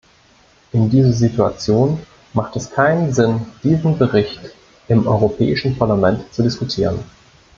In dieser Situation macht es keinen Sinn, diesen Bericht im Europäischen Parlament zu diskutieren.